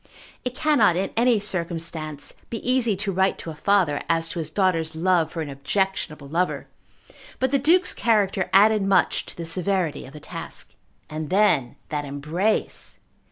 It cannot in any circumstance be easy to write to a father as to his daughter's love for an objectionable lover; but the Duke's character added much to the severity of the task. And then that embrace!